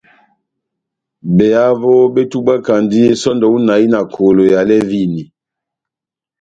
Behavo betubwakandi sɔndɛ hú inahi na kolo ya lɛvini.